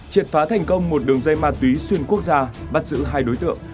triệt phá thành công một đường dây ma túy xuyên quốc gia bắt giữ hai đối tượng